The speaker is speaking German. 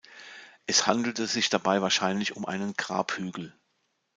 Es handelte sich dabei wahrscheinlich um einen Grabhügel.